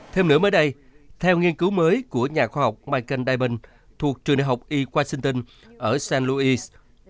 thêm nữa mới đây theo nghiên cứu mới của nhà khoa học michael diamond thuộc trường đại học e washington ở st louis